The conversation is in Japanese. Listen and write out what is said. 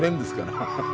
ハハハ。